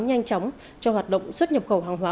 nhanh chóng cho hoạt động xuất nhập khẩu hàng hóa